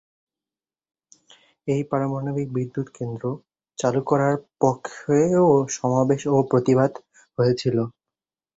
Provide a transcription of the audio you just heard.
এই পারমাণবিক বিদ্যুৎকেন্দ্র চালু করার পক্ষেও সমাবেশ ও প্রতিবাদ হয়েছিল।